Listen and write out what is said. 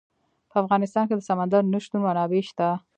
په افغانستان کې د سمندر نه شتون منابع شته.